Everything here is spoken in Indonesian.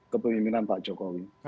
kepemimpinan pak jokowi